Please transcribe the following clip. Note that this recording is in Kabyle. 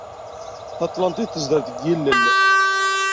Taṭlantit tezder deg yilel.